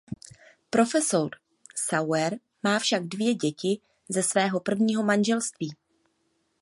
Profesor Sauer má však dvě děti ze svého prvního manželství.